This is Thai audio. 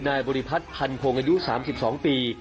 นายบริพัฒน์พันธุ์โพงอายุ๓๒ปี